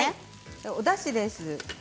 おだしです。